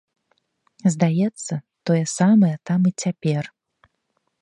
Здаецца, тое самае там і цяпер.